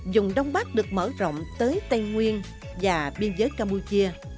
dùng đông bắc được mở rộng tới tây nguyên và biên giới campuchia